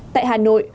tại hà nội